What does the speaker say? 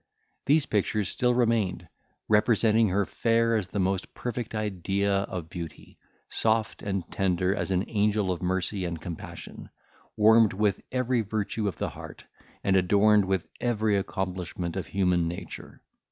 These pictures still remained, representing her fair as the most perfect idea of beauty, soft and tender as an angel of mercy and compassion, warmed with every virtue of the heart, and adorned with every accomplishment of human nature.